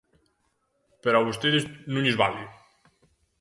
Pero a vostedes non lles vale.